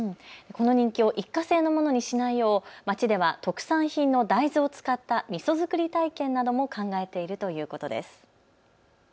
この人気を一過性のものにしないよう町では特産品の大豆を使ったみそ造り体験なども考えているということです。